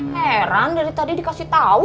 heran dari tadi dikasih tahu